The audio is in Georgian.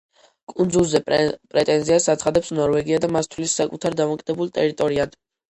კუნძულზე პრეტენზიას აცხადებს ნორვეგია და მას თვლის საკუთარ დამოკიდებულ ტერიტორიად.